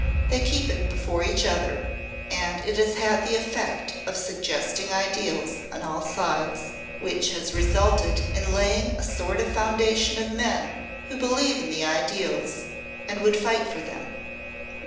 They keep it before each other and it has had the effect of suggesting ideals on all sides. Which has resulted in laying a sort of foundation of men who believe in the ideals and would fight for them.